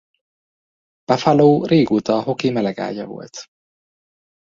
Buffalo régóta a hoki melegágya volt.